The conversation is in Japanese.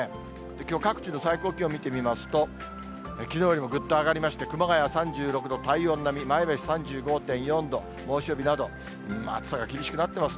きょう、各地の最高気温見てみますと、きのうよりもぐっと上がりまして、熊谷３６度、体温並み、前橋３５．４度、猛暑日など、暑さが厳しくなっています。